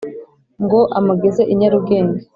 Ngo amugeze i Nyarugenge :